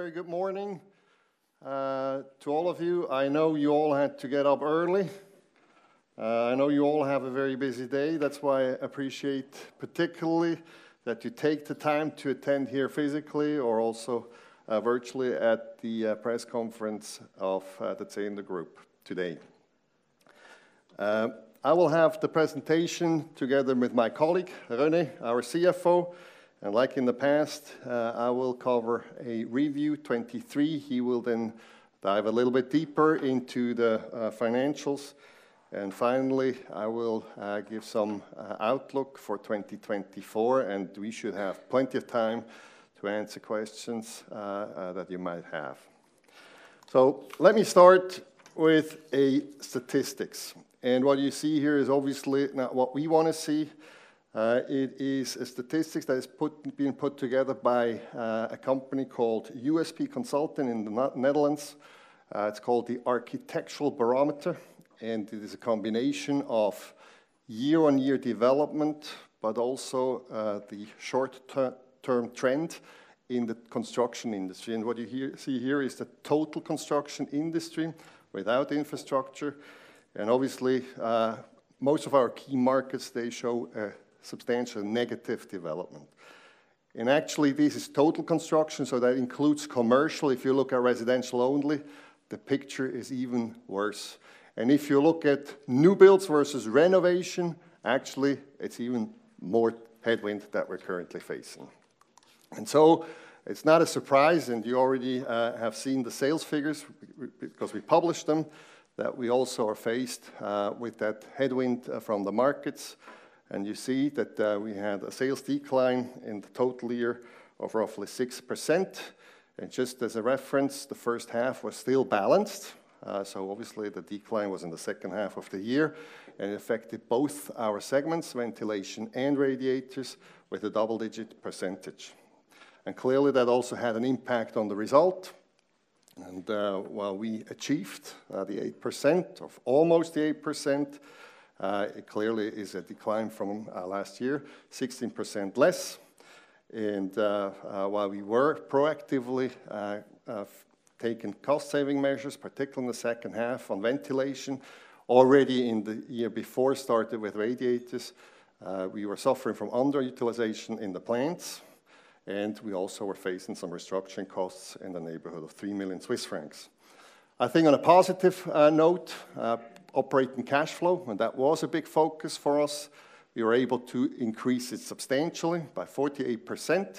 Very good morning to all of you. I know you all had to get up early. I know you all have a very busy day, that's why I appreciate particularly that you take the time to attend here physically or also virtually at the press conference of the Zehnder Group today. I will have the presentation together with my colleague, René, our CFO, and like in the past, I will cover a review 2023. He will then dive a little bit deeper into the financials. And finally, I will give some outlook for 2024, and we should have plenty of time to answer questions that you might have. So let me start with a statistics, and what you see here is obviously not what we wanna see. It is a statistic that is being put together by a company called USP Consulting in the Netherlands. It's called the Architectural Barometer, and it is a combination of year-on-year development, but also the short-term trend in the construction industry. What you see here is the total construction industry without infrastructure, and obviously most of our key markets show a substantial negative development. Actually, this is total construction, so that includes commercial. If you look at residential only, the picture is even worse. If you look at new builds versus renovation, actually it's even more headwind that we're currently facing. So it's not a surprise, and you already have seen the sales figures because we published them, that we also are faced with that headwind from the markets. You see that we had a sales decline in the total year of roughly 6%. Just as a reference, the first half was still balanced, so obviously the decline was in the second half of the year, and it affected both our segments, ventilation and radiators, with a double-digit percentage. Clearly, that also had an impact on the result, and while we achieved the 8%, of almost 8%, it clearly is a decline from last year, 16% less. While we were proactively taking cost-saving measures, particularly in the second half on ventilation, already in the year before started with radiators, we were suffering from underutilization in the plants, and we also were facing some restructuring costs in the neighborhood of 3 million Swiss francs. I think on a positive note, operating cash flow, and that was a big focus for us, we were able to increase it substantially by 48%.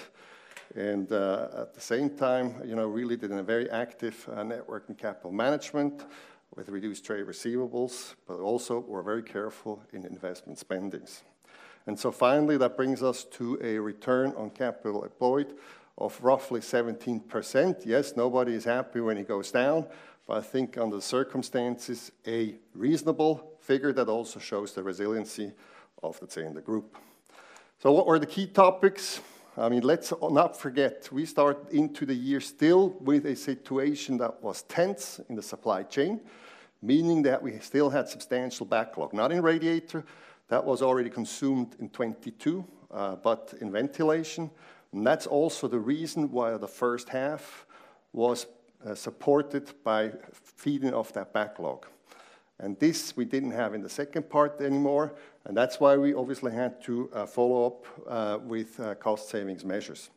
And at the same time, you know, really did a very active net working capital management with reduced trade receivables, but also we're very careful in investment spending. And so finally, that brings us to a return on capital employed of roughly 17%. Yes, nobody is happy when it goes down, but I think under the circumstances, a reasonable figure that also shows the resiliency of the Zehnder Group. So what were the key topics? I mean, let's not forget, we start into the year still with a situation that was tense in the supply chain, meaning that we still had substantial backlog, not in radiator, that was already consumed in 2022, but in ventilation. That's also the reason why the first half was supported by feeding off that backlog. This, we didn't have in the second part anymore, and that's why we obviously had to follow up with cost savings measures,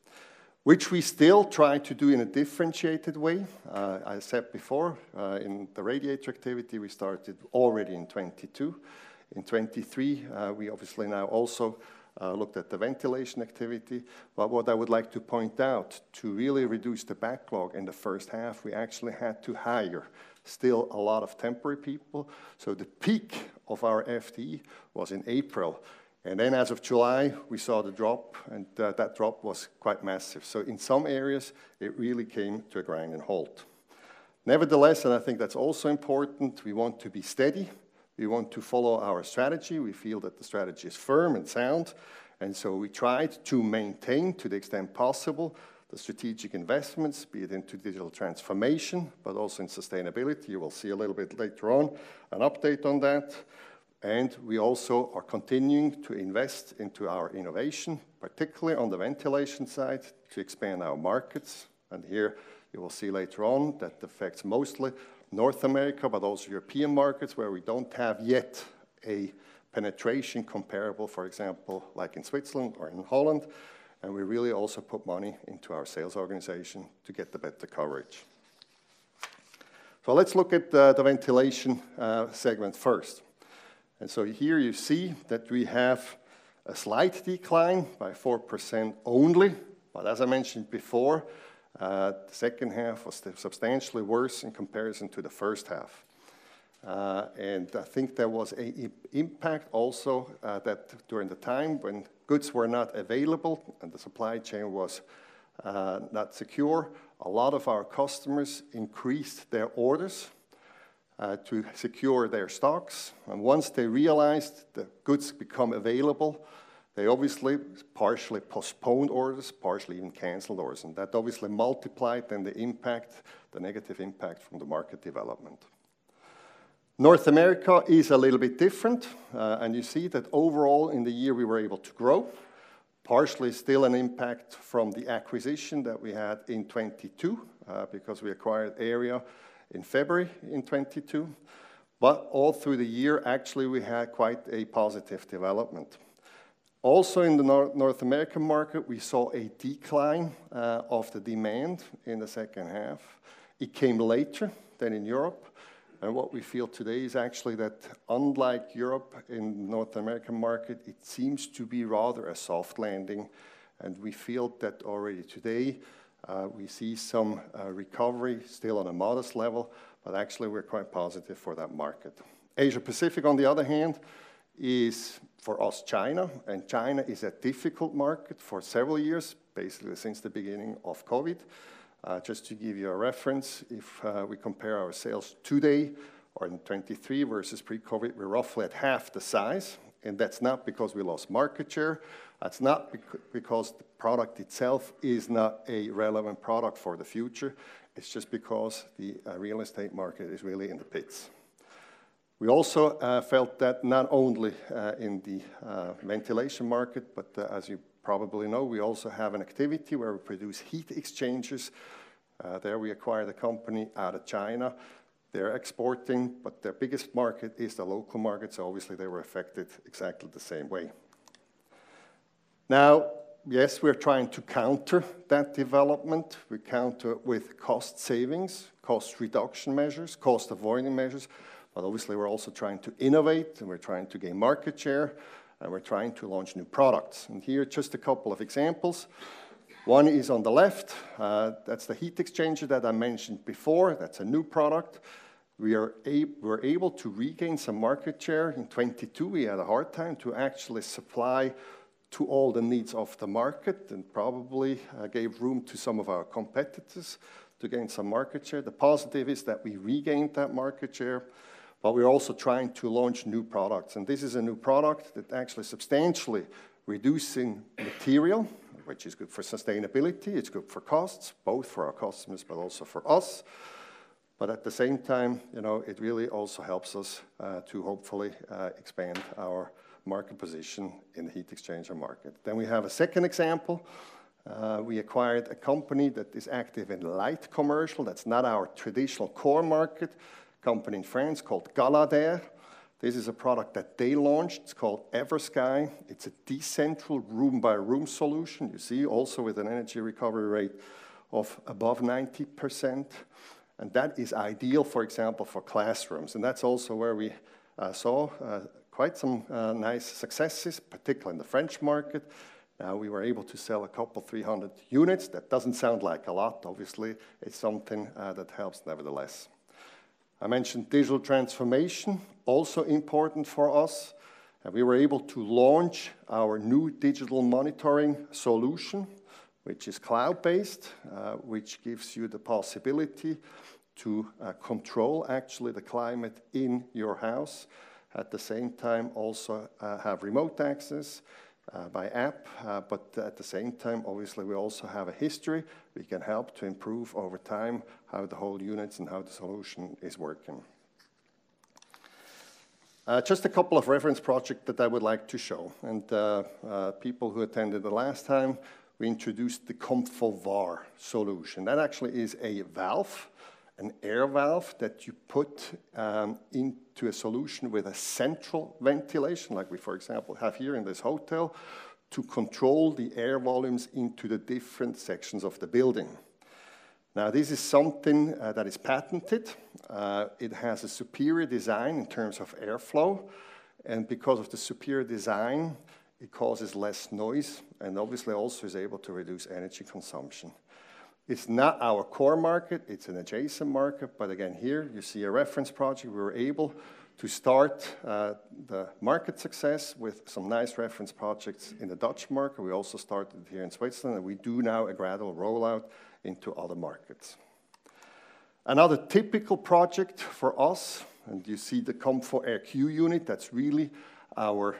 which we still try to do in a differentiated way. I said before, in the radiator activity, we started already in 2022. In 2023, we obviously now also looked at the ventilation activity. But what I would like to point out, to really reduce the backlog in the first half, we actually had to hire still a lot of temporary people. So the peak of our FTE was in April, and then as of July, we saw the drop, and that drop was quite massive. So in some areas, it really came to a grinding halt. Nevertheless, and I think that's also important, we want to be steady. We want to follow our strategy. We feel that the strategy is firm and sound, and so we tried to maintain, to the extent possible, the strategic investments, be it into digital transformation, but also in sustainability. You will see a little bit later on an update on that. And we also are continuing to invest into our innovation, particularly on the ventilation side, to expand our markets. And here you will see later on, that affects mostly North America, but also European markets, where we don't have yet a penetration comparable, for example, like in Switzerland or in Holland. And we really also put money into our sales organization to get the better coverage. So let's look at the ventilation segment first. Here you see that we have a slight decline by 4% only. But as I mentioned before, the second half was substantially worse in comparison to the first half. And I think there was an impact also, that during the time when goods were not available and the supply chain was not secure, a lot of our customers increased their orders to secure their stocks. And once they realized the goods become available, they obviously partially postponed orders, partially even canceled orders, and that obviously multiplied, then the impact, the negative impact from the market development. North America is a little bit different, and you see that overall in the year, we were able to grow. Partially, still an impact from the acquisition that we had in 2022, because we acquired Airia in February in 2022. But all through the year, actually, we had quite a positive development. Also, in the North American market, we saw a decline of the demand in the second half. It came later than in Europe, and what we feel today is actually that unlike Europe, in North American market, it seems to be rather a soft landing, and we feel that already today we see some recovery still on a modest level, but actually we're quite positive for that market. Asia Pacific, on the other hand, is, for us, China, and China is a difficult market for several years, basically since the beginning of COVID. Just to give you a reference, if we compare our sales today or in 2023 versus pre-COVID, we're roughly at half the size, and that's not because we lost market share. That's not because the product itself is not a relevant product for the future. It's just because the real estate market is really in the pits. We also felt that not only in the ventilation market, but as you probably know, we also have an activity where we produce heat exchangers. There, we acquired a company out of China. They're exporting, but their biggest market is the local market, so obviously they were affected exactly the same way. Now, yes, we're trying to counter that development. We counter it with cost savings, cost reduction measures, cost avoiding measures, but obviously, we're also trying to innovate, and we're trying to gain market share, and we're trying to launch new products. Here are just a couple of examples. One is on the left. That's the heat exchanger that I mentioned before. That's a new product. We're able to regain some market share. In 2022, we had a hard time to actually supply to all the needs of the market and probably gave room to some of our competitors to gain some market share. The positive is that we regained that market share, but we're also trying to launch new products, and this is a new product that actually substantially reducing material, which is good for sustainability. It's good for costs, both for our customers, but also for us. But at the same time, you know, it really also helps us to hopefully expand our market position in the heat exchanger market. Then we have a second example. We acquired a company that is active in light commercial. That's not our traditional core market. Company in France called Caladair. This is a product that they launched. It's called Eversky. It's a decentralized room-by-room solution, you see, also with an energy recovery rate of above 90%, and that is ideal, for example, for classrooms, and that's also where we saw quite some nice successes, particularly in the French market. We were able to sell a couple, 300 units. That doesn't sound like a lot, obviously. It's something that helps nevertheless. I mentioned digital transformation, also important for us, and we were able to launch our new digital monitoring solution, which is cloud-based, which gives you the possibility to control actually the climate in your house. At the same time, also, have remote access by app, but at the same time, obviously, we also have a history. We can help to improve over time how the whole units and how the solution is working. Just a couple of reference project that I would like to show, and people who attended the last time, we introduced the ComfoVar solution. That actually is a valve, an air valve, that you put into a solution with a central ventilation, like we, for example, have here in this hotel, to control the air volumes into the different sections of the building. Now, this is something that is patented. It has a superior design in terms of airflow, and because of the superior design, it causes less noise and obviously also is able to reduce energy consumption. It's not our core market, it's an adjacent market, but again, here you see a reference project. We were able to start the market success with some nice reference projects in the Dutch market. We also started here in Switzerland, and we do now a gradual rollout into other markets. Another typical project for us, and you see the ComfoAir Q unit, that's really our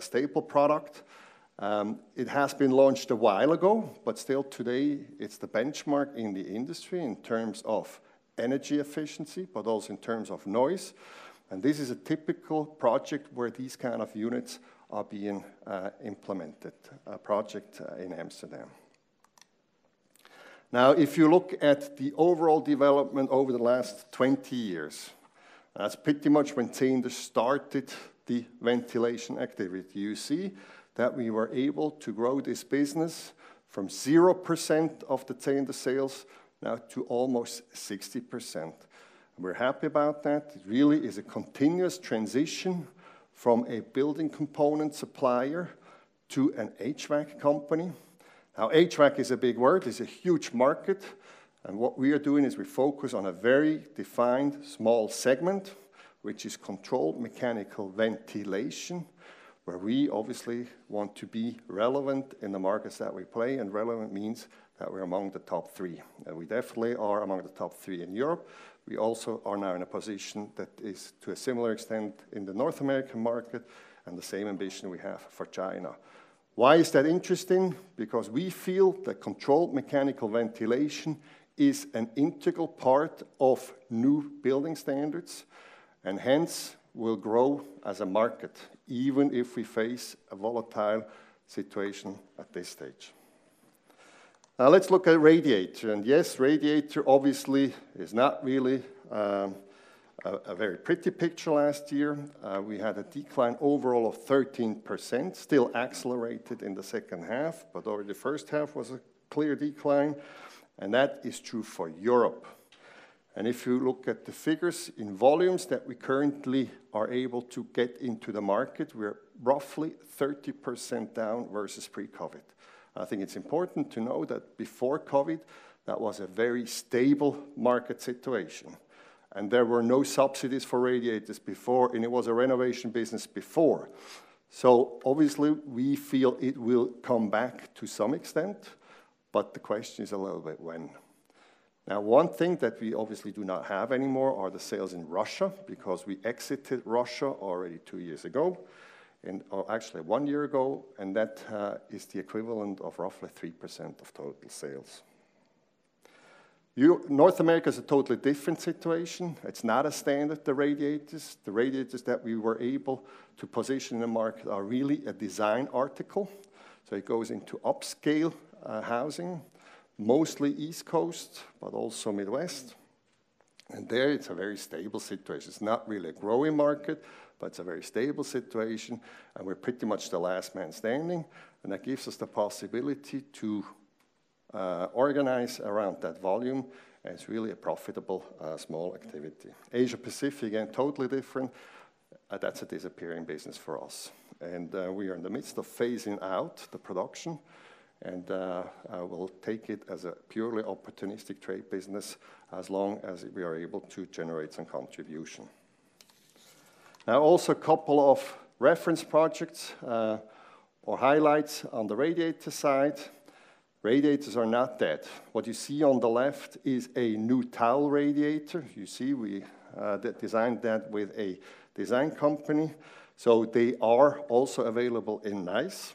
staple product. It has been launched a while ago, but still today, it's the benchmark in the industry in terms of energy efficiency, but also in terms of noise. And this is a typical project where these kind of units are being implemented, a project in Amsterdam. Now, if you look at the overall development over the last 20 years, that's pretty much when Zehnder started the ventilation activity. You see that we were able to grow this business from 0% of the Zehnder sales now to almost 60%. We're happy about that. It really is a continuous transition from a building component supplier to an HVAC company. Now, HVAC is a big word, is a huge market, and what we are doing is we focus on a very defined small segment, which is controlled mechanical ventilation, where we obviously want to be relevant in the markets that we play, and relevant means that we're among the top three. We definitely are among the top three in Europe. We also are now in a position that is to a similar extent in the North American market and the same ambition we have for China. Why is that interesting? Because we feel that controlled mechanical ventilation is an integral part of new building standards, and hence will grow as a market, even if we face a volatile situation at this stage. Now, let's look at radiator. And yes, radiator obviously is not really a very pretty picture last year. We had a decline overall of 13%, still accelerated in the second half, but over the first half was a clear decline, and that is true for Europe. And if you look at the figures in volumes that we currently are able to get into the market, we're roughly 30% down versus pre-COVID. I think it's important to know that before COVID, that was a very stable market situation, and there were no subsidies for radiators before, and it was a renovation business before. So obviously, we feel it will come back to some extent, but the question is a little bit when? Now, one thing that we obviously do not have anymore are the sales in Russia, because we exited Russia already two years ago, and, or actually one year ago, and that is the equivalent of roughly 3% of total sales. North America is a totally different situation. It's not a standard, the radiators. The radiators that we were able to position in the market are really a design article. So it goes into upscale housing, mostly East Coast, but also Midwest, and there, it's a very stable situation. It's not really a growing market, but it's a very stable situation, and we're pretty much the last man standing, and that gives us the possibility to organize around that volume, and it's really a profitable small activity. Asia Pacific, again, totally different, that's a disappearing business for us. And, we are in the midst of phasing out the production, and, we'll take it as a purely opportunistic trade business as long as we are able to generate some contribution. Now, also a couple of reference projects, or highlights on the radiator side. Radiators are not dead. What you see on the left is a new towel radiator. You see, we designed that with a design company, so they are also available in nice.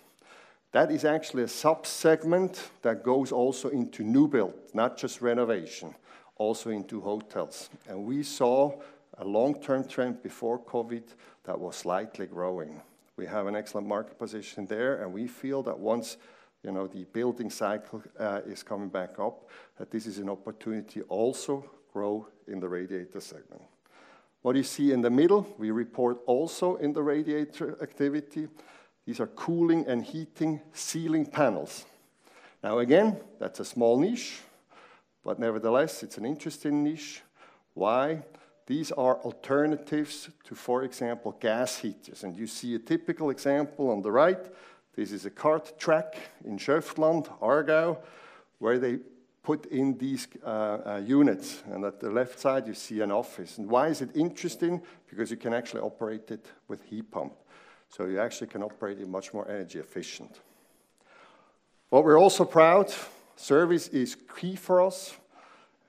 That is actually a sub-segment that goes also into new build, not just renovation, also into hotels. And we saw a long-term trend before COVID that was slightly growing. We have an excellent market position there, and we feel that once, you know, the building cycle is coming back up, that this is an opportunity to also grow in the radiator segment. What you see in the middle, we report also in the radiator activity. These are cooling and heating ceiling panels. Now, again, that's a small niche, but nevertheless, it's an interesting niche. Why? These are alternatives to, for example, gas heaters. And you see a typical example on the right. This is a cart track in Schöftland, Aargau, where they put in these units, and at the left side, you see an office. And why is it interesting? Because you can actually operate it with heat pump. So you actually can operate it much more energy efficient. What we're also proud, service is key for us,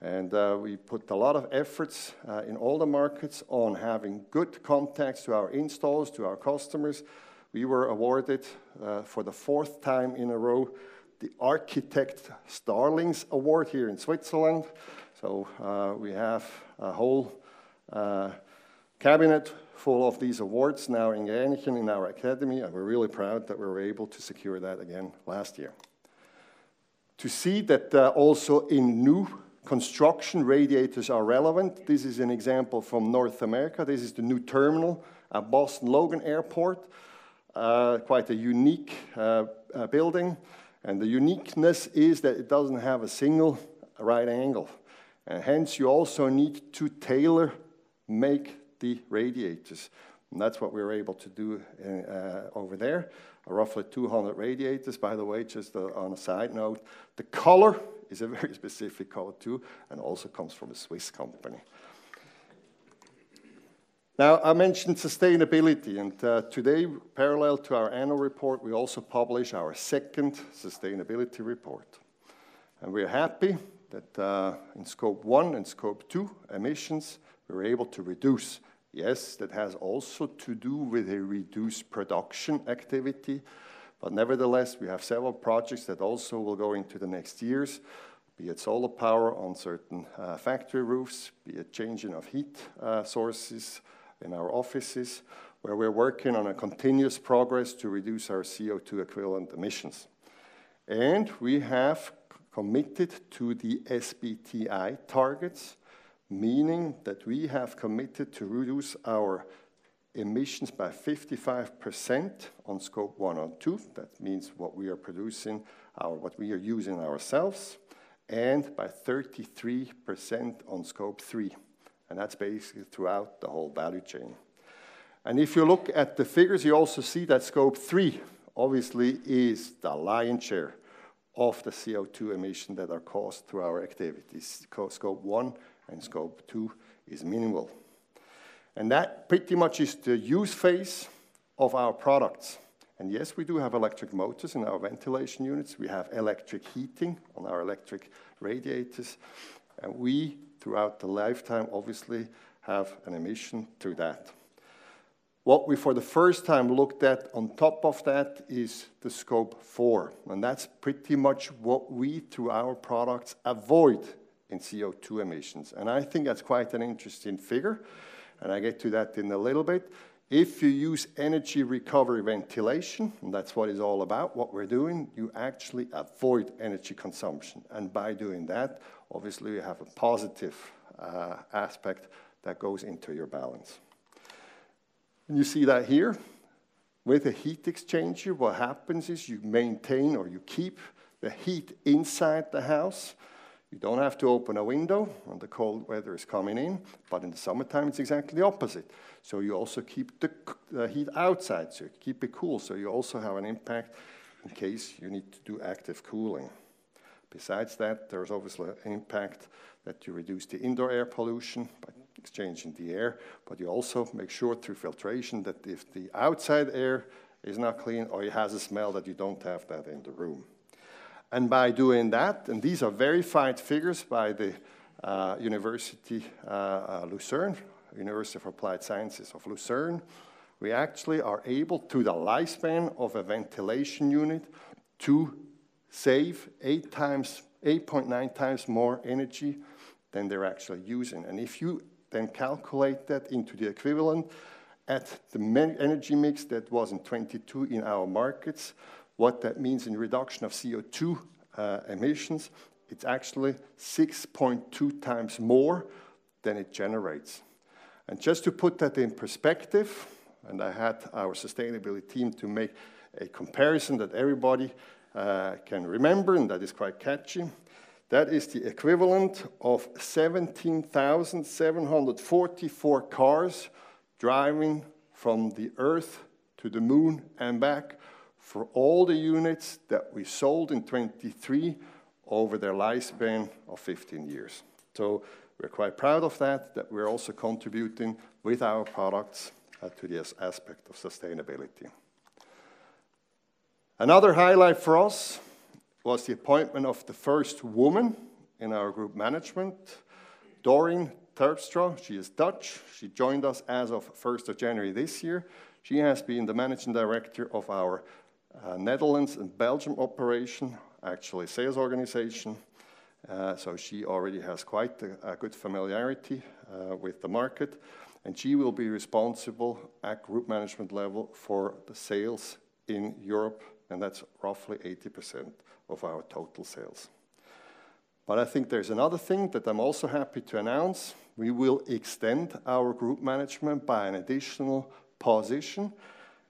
and we put a lot of efforts in all the markets on having good contacts to our installers, to our customers. We were awarded for the fourth time in a row, the Architect Starlings Award here in Switzerland. So, we have a whole cabinet full of these awards now in Gränichen, in our academy, and we're really proud that we were able to secure that again last year. To see that, also in new construction, radiators are relevant; this is an example from North America. This is the new terminal at Boston Logan Airport. Quite a unique building, and the uniqueness is that it doesn't have a single right angle. And hence, you also need to tailor-make the radiators, and that's what we were able to do over there. Roughly 200 radiators, by the way, just on a side note. The color is a very specific color, too, and also comes from a Swiss company. Now, I mentioned sustainability, and today, parallel to our annual report, we also publish our second sustainability report. We are happy that, in Scope 1 and Scope 2 emissions, we were able to reduce. Yes, that has also to do with a reduced production activity, but nevertheless, we have several projects that also will go into the next years, be it solar power on certain factory roofs, be it changing of heat sources in our offices, where we're working on a continuous progress to reduce our CO2 equivalent emissions. We have committed to the SBTi targets, meaning that we have committed to reduce our emissions by 55% on Scope 1 and 2. That means what we are producing, what we are using ourselves, and by 33% on Scope 3, and that's basically throughout the whole value chain. If you look at the figures, you also see that Scope 3 obviously is the lion's share of the CO2 emissions that are caused through our activities. Scope 1 and Scope 2 is minimal. And that pretty much is the use phase of our products. And yes, we do have electric motors in our ventilation units. We have electric heating on our electric radiators, and we, throughout the lifetime, obviously, have an emission to that. What we, for the first time, looked at on top of that is the Scope 4, and that's pretty much what we, through our products, avoid in CO2 emissions. And I think that's quite an interesting figure, and I get to that in a little bit. If you use energy recovery ventilation, and that's what it's all about, what we're doing, you actually avoid energy consumption. By doing that, obviously, you have a positive aspect that goes into your balance. You see that here. With a heat exchanger, what happens is you maintain or you keep the heat inside the house. You don't have to open a window when the cold weather is coming in, but in the summertime, it's exactly the opposite. So you also keep the heat outside, so you keep it cool, so you also have an impact in case you need to do active cooling. Besides that, there's obviously an impact that you reduce the indoor air pollution by exchanging the air, but you also make sure, through filtration, that if the outside air is not clean or it has a smell, that you don't have that in the room. By doing that, and these are verified figures by the Lucerne University of Applied Sciences, we actually are able, through the lifespan of a ventilation unit, to save eight times, 8.9 times more energy than they're actually using. And if you then calculate that into the equivalent at the main energy mix, that was in 2022 in our markets, what that means in reduction of CO2 emissions, it's actually 6.2 times more than it generates. And just to put that in perspective, and I had our sustainability team to make a comparison that everybody can remember, and that is quite catchy. That is the equivalent of 17,744 cars driving from the Earth to the Moon and back, for all the units that we sold in 2023 over their lifespan of 15 years. So we're quite proud of that, that we're also contributing with our products to this aspect of sustainability. Another highlight for us was the appointment of the first woman in our group management, Doreen Terpstra. She is Dutch. She joined us as of first of January this year. She has been the managing director of our Netherlands and Belgium operation, actually, sales organization. So she already has quite a good familiarity with the market, and she will be responsible at group management level for the sales in Europe, and that's roughly 80% of our total sales. But I think there's another thing that I'm also happy to announce. We will extend our group management by an additional position,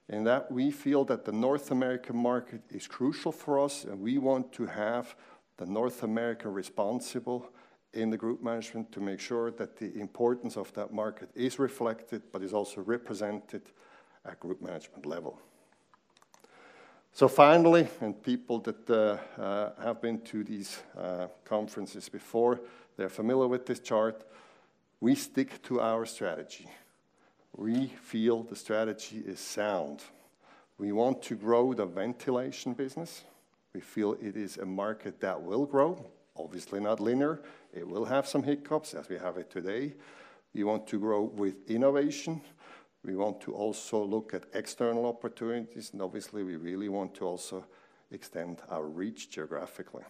in that we feel that the North American market is crucial for us, and we want to have the North America responsible in the group management to make sure that the importance of that market is reflected, but is also represented at group management level. So finally, and people that have been to these conferences before, they're familiar with this chart, we stick to our strategy. We feel the strategy is sound. We want to grow the ventilation business. We feel it is a market that will grow, obviously not linear. It will have some hiccups, as we have it today. We want to grow with innovation. We want to also look at external opportunities, and obviously, we really want to also extend our reach geographically.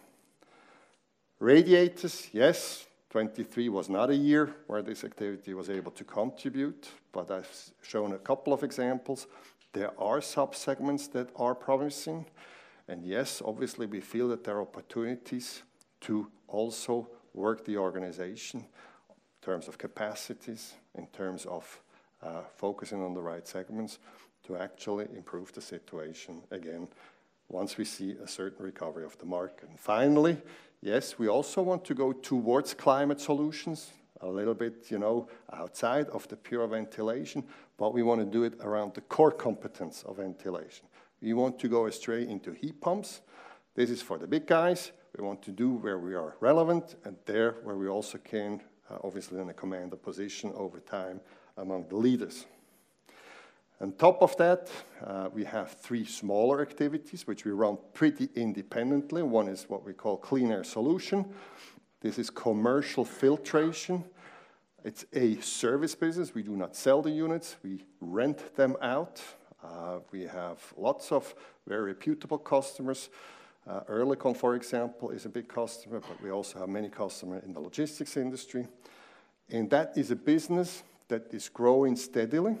Radiators, yes, 2023 was not a year where this activity was able to contribute, but I've shown a couple of examples. There are sub-segments that are promising, and yes, obviously, we feel that there are opportunities to also work the organization in terms of capacities, in terms of focusing on the right segments, to actually improve the situation again, once we see a certain recovery of the market. And finally, yes, we also want to go towards climate solutions, a little bit, you know, outside of the pure ventilation, but we wanna do it around the core competence of ventilation. We want to go straight into heat pumps. This is for the big guys. We want to do where we are relevant, and there, where we also can, obviously, in a commander position over time among the leaders. On top of that, we have three smaller activities, which we run pretty independently. One is what we call Clean Air Solutions. This is commercial filtration. It's a service business. We do not sell the units; we rent them out. We have lots of very reputable customers. Oerlikon, for example, is a big customer, but we also have many customers in the logistics industry, and that is a business that is growing steadily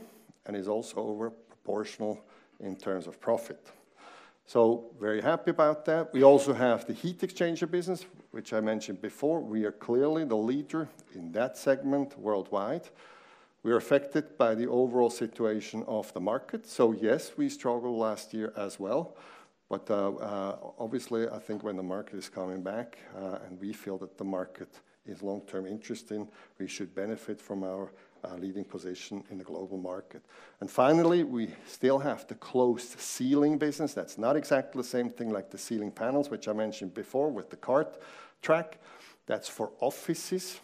and is also over proportional in terms of profit. So very happy about that. We also have the heat exchanger business, which I mentioned before. We are clearly the leader in that segment worldwide. We are affected by the overall situation of the market. So yes, we struggled last year as well, but, obviously, I think when the market is coming back, and we feel that the market is long-term interesting, we should benefit from our, leading position in the global market. And finally, we still have the closed ceiling business. That's not exactly the same thing like the ceiling panels, which I mentioned before with the cart track. That's for offices.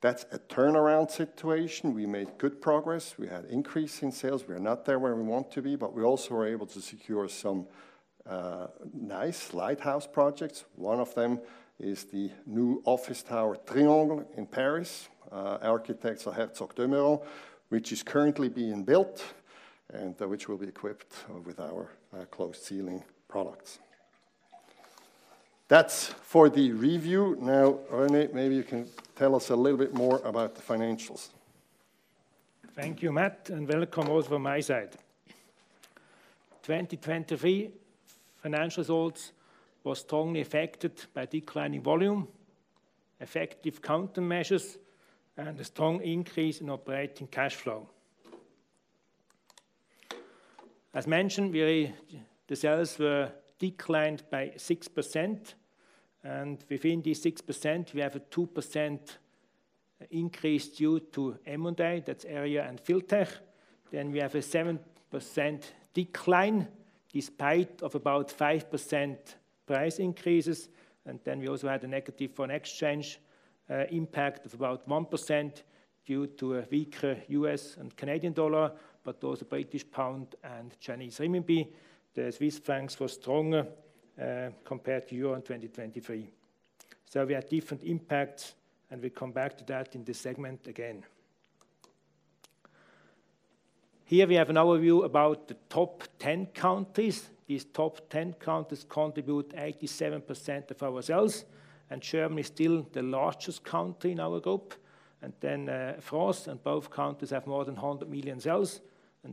That's a turnaround situation. We made good progress. We had increase in sales. We are not there where we want to be, but we also were able to secure some nice lighthouse projects. One of them is the new office tower, Triangle, in Paris, architects are Herzog & de Meuron, which is currently being built and which will be equipped with our, closed ceiling products. That's for the review. Now, René, maybe you can tell us a little bit more about the financials. Thank you, Matt, and welcome also from my side. 2023 financial results was strongly affected by declining volume, effective countermeasures, and a strong increase in operating cash flow. As mentioned, the sales were declined by 6%, and within these 6%, we have a 2% increase due to Airia, that's Airia and filter. Then we have a 7% decline, despite of about 5% price increases, and then we also had a negative foreign exchange impact of about 1% due to a weaker U.S. and Canadian dollar, but also British pound and Chinese renminbi. The Swiss francs was stronger compared to euro in 2023. So we had different impacts, and we come back to that in this segment again. Here we have an overview about the top 10 countries. These top 10 countries contribute 87% of our sales, and Germany is still the largest country in our group, and then France, and both countries have more than 100 million sales.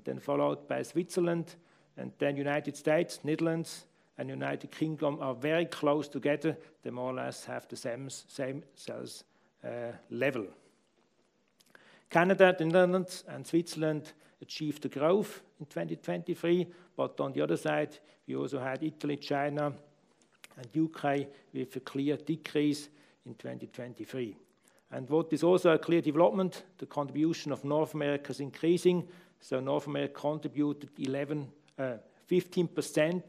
Then followed by Switzerland, and then United States, Netherlands, and United Kingdom are very close together. They more or less have the same sales level. Canada, the Netherlands, and Switzerland achieved a growth in 2023, but on the other side, we also had Italy, China, and UK, with a clear decrease in 2023. And what is also a clear development, the contribution of North America is increasing. So North America contributed 15%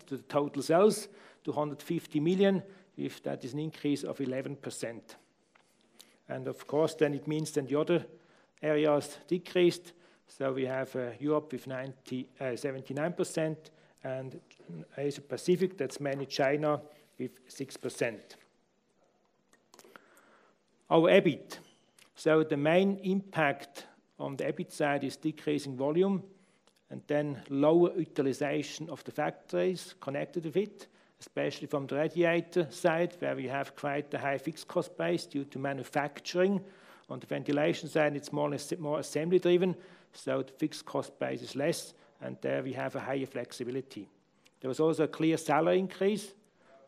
to the total sales, to 150 million, if that is an increase of 11%. And of course, then it means then the other areas decreased. So we have Europe with 79%, and Asia Pacific, that's mainly China, with 6%. Our EBIT. So the main impact on the EBIT side is decreasing volume, and then lower utilization of the factories connected with it, especially from the radiator side, where we have quite a high fixed cost base due to manufacturing. On the ventilation side, it's more or less more assembly-driven, so the fixed cost base is less, and there we have a higher flexibility. There was also a clear salary increase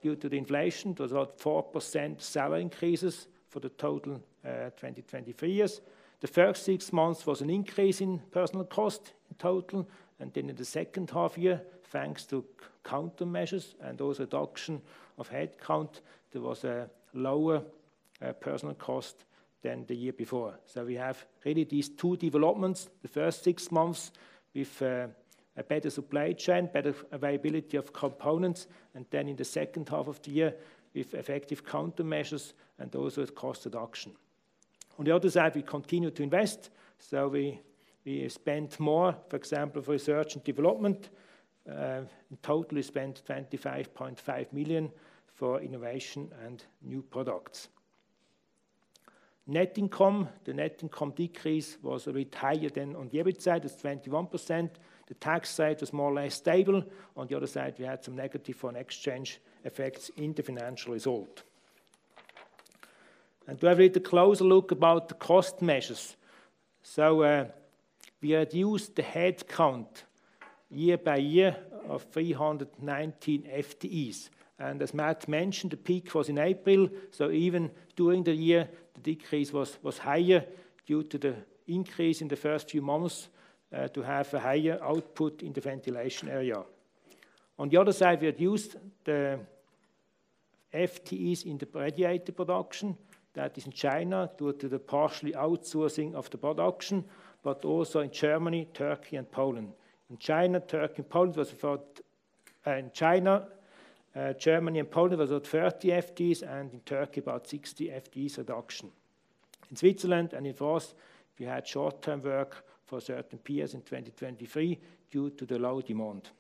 due to the inflation, to about 4% salary increases for the total 2023 years. The first six months was an increase in personnel cost in total, and then in the second half year, thanks to countermeasures and also reduction of headcount, there was a lower personnel cost than the year before. So we have really these two developments, the first six months with a better supply chain, better availability of components, and then in the second half of the year, with effective countermeasures and also with cost reduction. On the other side, we continued to invest, so we spent more, for example, for research and development, and totally spent 25.5 million for innovation and new products. Net income. The net income decrease was a bit higher than on the EBIT side, it's 21%. The tax side was more or less stable. On the other side, we had some negative foreign exchange effects in the financial result. And to have a little closer look about the cost measures. We reduced the headcount year-over-year by 319 FTEs, and as Matt mentioned, the peak was in April, so even during the year, the decrease was higher due to the increase in the first few months to have a higher output in the ventilation area. On the other side, we had used the FTEs in the radiator production. That is in China, due to the partially outsourcing of the production, but also in Germany, Turkey, and Poland. In China, Turkey, and Poland was about. In China, Germany, and Poland, was about 30 FTEs, and in Turkey, about 60 FTEs reduction. In Switzerland and in France, we had short-term work for certain periods in 2023 due to the low demand.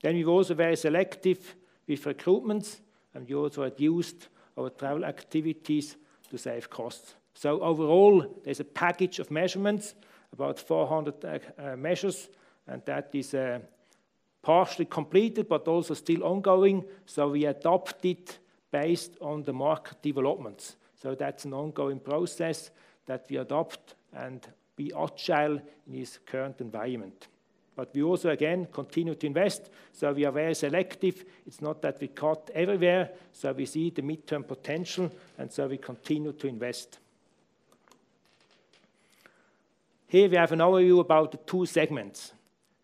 Then we were also very selective with recruitments, and we also reduced our travel activities to save costs. So overall, there's a package of measurements, about 400 measures, and that is partially completed, but also still ongoing. We adopt it based on the market developments. That's an ongoing process that we adopt, and we are agile in this current environment. But we also, again, continue to invest, so we are very selective. It's not that we cut everywhere, so we see the midterm potential, and so we continue to invest. Here we have an overview about the two segments.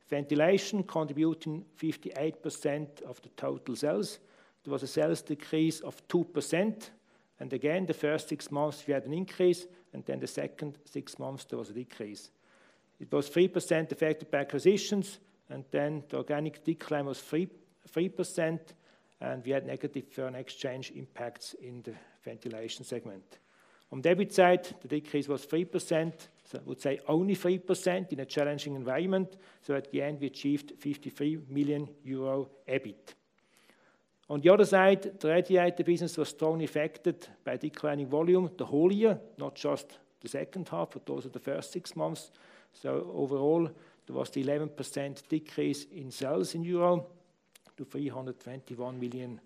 Ventilation contributing 58% of the total sales. There was a sales decrease of 2%, and again, the first six months we had an increase, and then the second six months, there was a decrease. It was 3% affected by acquisitions, and then the organic decline was 3.3% and we had negative foreign exchange impacts in the ventilation segment. On the EBIT side, the decrease was 3%, so I would say only 3% in a challenging environment. So at the end, we achieved 53 million euro EBIT. On the other side, the radiator business was strongly affected by declining volume, the whole year, not just the second half, but also the first six months. So overall, there was 11% decrease in sales in EUR to 321 million.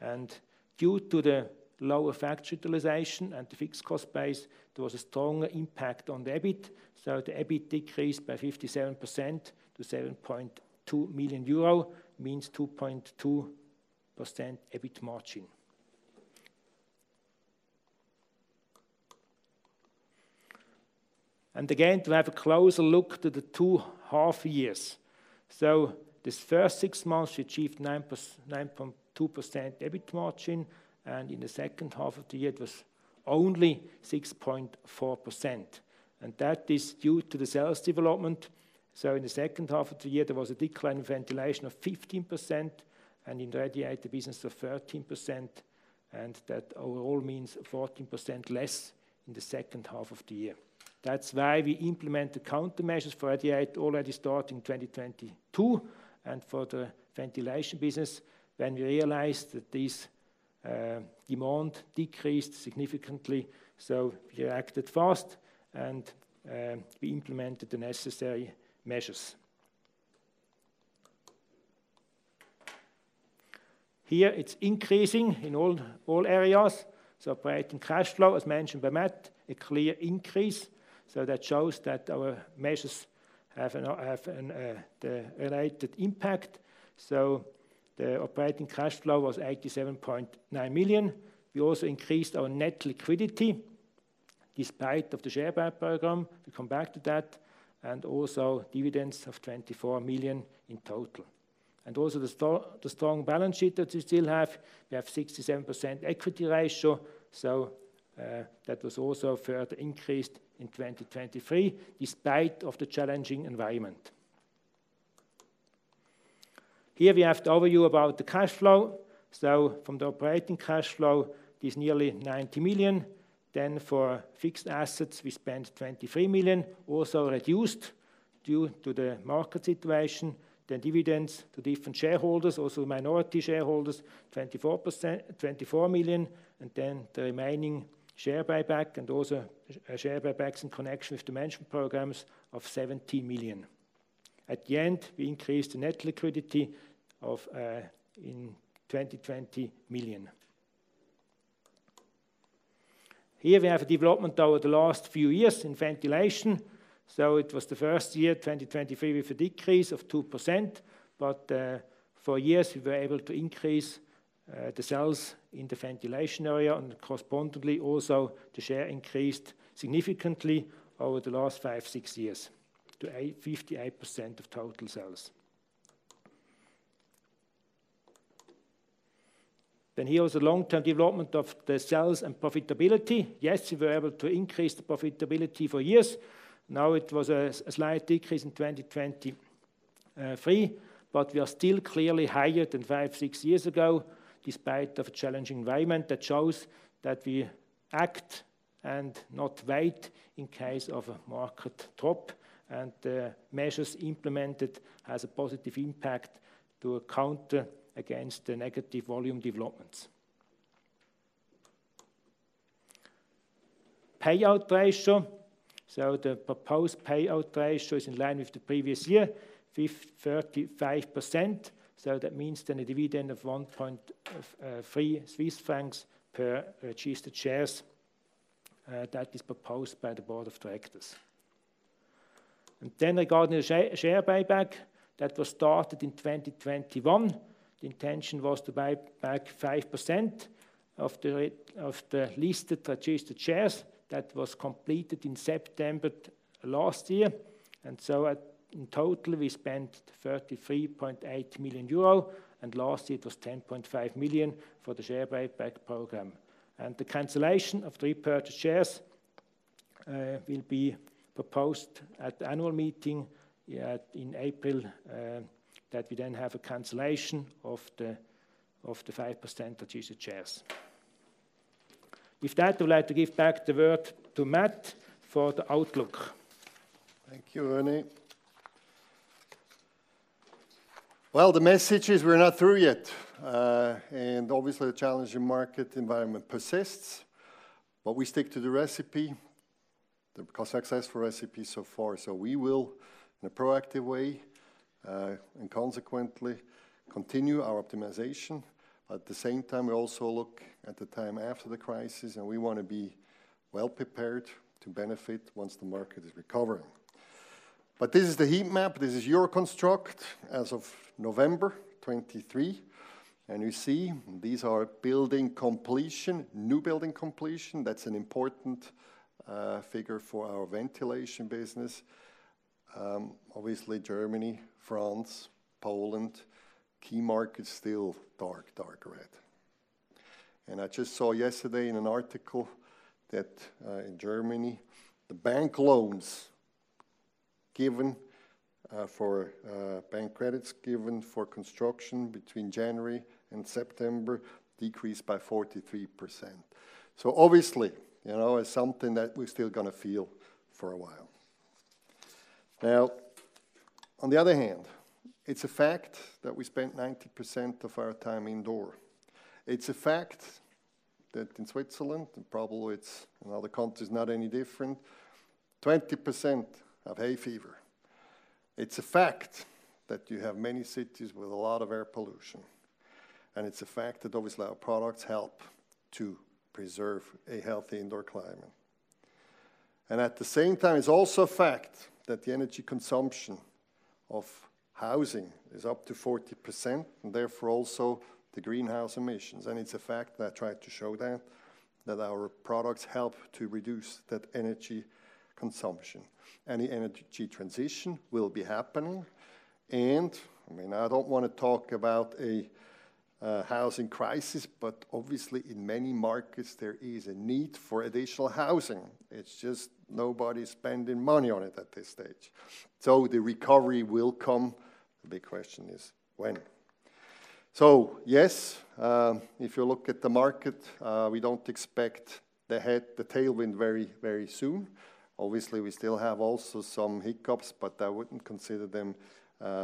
And due to the lower factory utilization and the fixed cost base, there was a stronger impact on the EBIT. So the EBIT decreased by 57% to 7.2 million euro, means 2.2% EBIT margin. And again, to have a closer look to the two half years. So this first six months, we achieved 9.2% EBIT margin, and in the second half of the year, it was only 6.4%, and that is due to the sales development. So in the second half of the year, there was a decline in ventilation of 15% and in the radiator business of 13%, and that overall means 14% less in the second half of the year. That's why we implement the counter measures for radiator already starting in 2022, and for the ventilation business, when we realized that this demand decreased significantly, so we reacted fast and we implemented the necessary measures. Here, it's increasing in all areas. So operating cash flow, as mentioned by Matt, a clear increase. So that shows that our measures have the related impact. The operating cash flow was 87.9 million. We also increased our net liquidity, despite of the share buyback program. We come back to that, and also dividends of 24 million in total. Also the strong balance sheet that we still have. We have 67% equity ratio, so that was also further increased in 2023, despite of the challenging environment. Here we have the overview about the cash flow. From the operating cash flow, it is nearly 90 million. Then for fixed assets, we spent 23 million, also reduced due to the market situation. Then dividends to different shareholders, also minority shareholders, 24 million, and then the remaining share buyback and also share buybacks in connection with the management programs of 17 million. At the end, we increased the net liquidity by 20 million. Here we have a development over the last few years in ventilation. So it was the first year, 2023, with a decrease of 2%, but for years, we were able to increase the sales in the ventilation area, and correspondingly also, the share increased significantly over the last five-six years to 58% of total sales. Then here is a long-term development of the sales and profitability. Yes, we were able to increase the profitability for years. Now, it was a slight decrease in 2023, but we are still clearly higher than five-six years ago, despite of a challenging environment that shows that we act and not wait in case of a market drop, and measures implemented has a positive impact to counter against the negative volume developments. Payout ratio. The proposed payout ratio is in line with the previous year, 35%. That means a dividend of 1.3 Swiss francs per registered shares that is proposed by the board of directors. Regarding the share buyback, that was started in 2021. The intention was to buy back 5% of the listed registered shares. That was completed in September last year, and in total, we spent 33.8 million euro, and last year it was 10.5 million for the share buyback program. The cancellation of the repurchased shares will be proposed at the annual meeting in April that we then have a cancellation of the 5% registered shares. With that, I would like to give back the word to Matt for the outlook. Thank you, René. Well, the message is we're not through yet, and obviously, the challenging market environment persists, but we stick to the recipe, the successful recipe so far. So we will, in a proactive way, and consequently, continue our optimization. At the same time, we also look at the time after the crisis, and we want to be well-prepared to benefit once the market is recovering. But this is the heat map. This is your construct as of November 2023, and you see, these are building completion, new building completion. That's an important figure for our ventilation business. Obviously, Germany, France, Poland, key markets, still dark.... and I just saw yesterday in an article that, in Germany, the bank loans given for bank credits given for construction between January and September decreased by 43%. So obviously, you know, it's something that we're still gonna feel for a while. Now, on the other hand, it's a fact that we spend 90% of our time indoor. It's a fact that in Switzerland, and probably it's in other countries not any different, 20% have hay fever. It's a fact that you have many cities with a lot of air pollution, and it's a fact that obviously our products help to preserve a healthy indoor climate. At the same time, it's also a fact that the energy consumption of housing is up to 40%, and therefore, also the greenhouse emissions. It's a fact that I tried to show that our products help to reduce that energy consumption. The energy transition will be happening, and, I mean, I don't wanna talk about a housing crisis, but obviously in many markets, there is a need for additional housing. It's just nobody's spending money on it at this stage. So the recovery will come. The big question is: When? So, yes, if you look at the market, we don't expect the tailwind very, very soon. Obviously, we still have also some hiccups, but I wouldn't consider them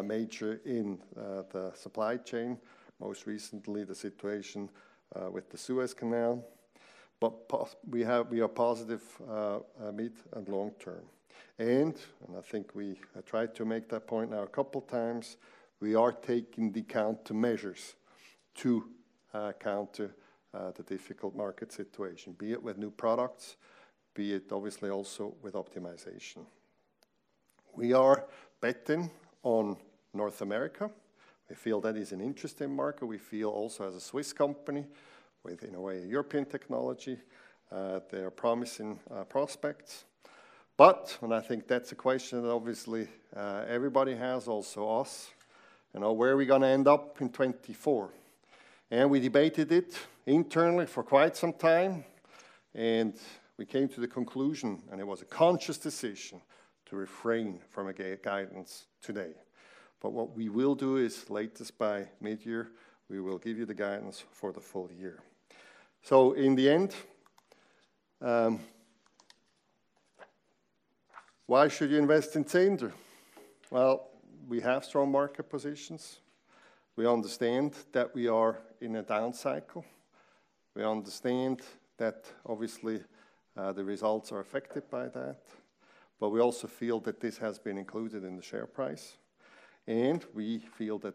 major in the supply chain. Most recently, the situation with the Suez Canal. But we are positive mid and long term. I think we tried to make that point now a couple times. We are taking the countermeasures to counter the difficult market situation, be it with new products, be it obviously also with optimization. We are betting on North America. We feel that is an interesting market. We feel also as a Swiss company, with, in a way, European technology, there are promising prospects. But, and I think that's a question that obviously everybody has, also us, you know, where are we gonna end up in 2024? And we debated it internally for quite some time, and we came to the conclusion, and it was a conscious decision, to refrain from a guidance today. But what we will do is, latest by mid-year, we will give you the guidance for the full year. So in the end, why should you invest in Zehnder? Well, we have strong market positions. We understand that we are in a down cycle. We understand that obviously, the results are affected by that, but we also feel that this has been included in the share price, and we feel that,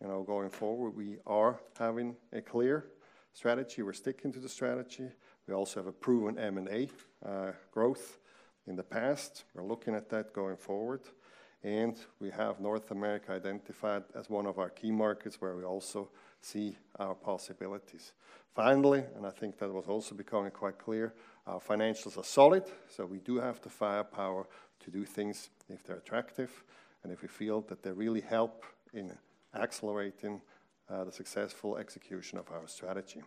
you know, going forward, we are having a clear strategy. We're sticking to the strategy. We also have a proven M&A growth in the past. We're looking at that going forward, and we have North America identified as one of our key markets, where we also see our possibilities. Finally, and I think that was also becoming quite clear, our financials are solid, so we do have the firepower to do things if they're attractive and if we feel that they really help in accelerating the successful execution of our strategy.